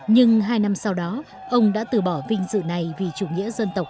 nhưng hai năm sau đó ông đã từ bỏ vinh dự này vì chú ý